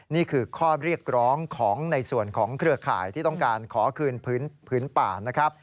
นี่คือข้อเรียกร้องของในส่วนของเครือข่ายที่ต้องการขอคืนพื้นป่านะครับ